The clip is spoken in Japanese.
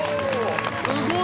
すごい。